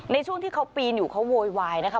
ในช่วงที่เขาปีนอยู่เขาโวยวายนะคะ